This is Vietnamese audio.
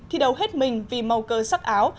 thi đấu hết mình vì màu cơ sắc áo